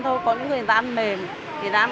thuyền gà rất là mạnh